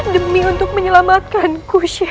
demi untuk menyelamatkanku sheikh